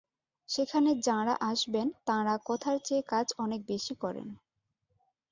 সেখানে যাঁরা আসবেন, তাঁরা কথার চেয়ে কাজ অনেক বেশি করেন।